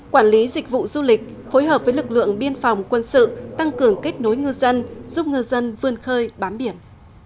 quản lý dịch vụ du lịch phối hợp với lực lượng biên phòng quân sự tăng cường kết nối ngư dân giúp ngư dân vươn khơi bám biển